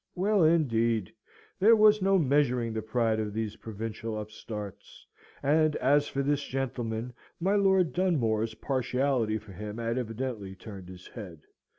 Well, indeed! there was no measuring the pride of these provincial upstarts, and as for this gentleman, my Lord Dunmore's partiality for him had evidently turned his head.